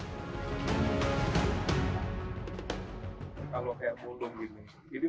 kedua anak balita mereka pun biasa tidur di gerobak